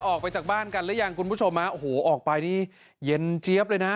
ออกไปจากบ้านกันหรือยังคุณผู้ชมฮะโอ้โหออกไปนี่เย็นเจี๊ยบเลยนะ